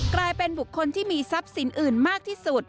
กลายเป็นบุคคลที่มีทรัพย์สินอื่นมากที่สุด